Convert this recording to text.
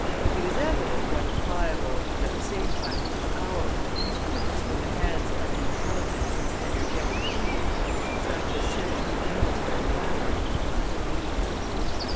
It is evident what a pliable, and at the same time powerful instrument, in the hands of an intelligent and energetic chief, such a civil and military hierarchy must be.